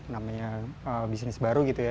namanya bisnis baru gitu ya